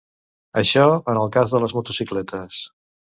Això, en el cas de les motocicletes.